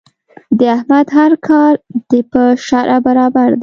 د احمد هر کار د په شرعه برابر دی.